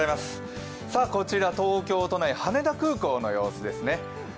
こちら東京都内、羽田空港の様子ですね。